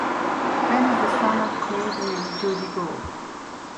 Ben is the son of comedian Judy Gold.